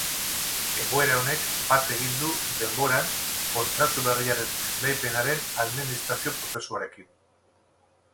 Egoera honek bat egin du denboran kontratu berriaren esleipenaren administrazio-prozesuarekin.